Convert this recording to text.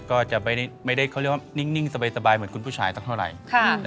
ก็จะไม่ได้เขาเรียกว่านิ่งสบายเหมือนคุณผู้ชายสักเท่าไหร่